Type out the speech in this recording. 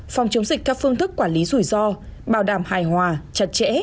phòng chống dịch theo phương thức quản lý rủi ro bảo đảm hài hòa chặt chẽ